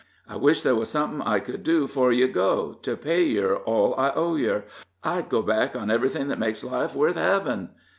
I wish there was somethin' I could do 'fore you go, to pay yer all I owe yer. I'd go back on everything that makes life worth hevin'."